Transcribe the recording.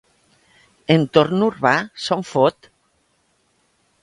Entorn urbà? —se'n fot—.